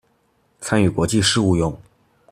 參與國際事務用